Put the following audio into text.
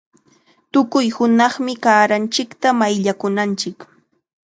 Tukuy hunaqmi kaaranchikta mayllakunanchik.